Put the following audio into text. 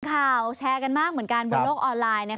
ข่าวแชร์กันมากเหมือนกันบนโลกออนไลน์